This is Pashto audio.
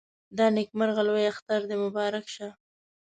د نيکمرغه لوی اختر دې مبارک شه